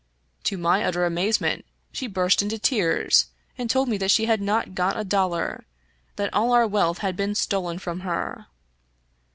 To my utter amazement, she burst into tears, and told me that she had not got a dollar — that all of our wealth had been stolen from her.